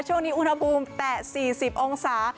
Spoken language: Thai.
ช่วงนี้อุณหภูมิแตะ๔๐องศา